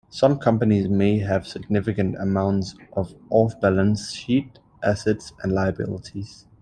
Some companies may have significant amounts of off-balance sheet assets and liabilities.